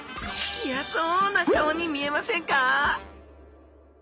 いやそうな顔に見えませんか？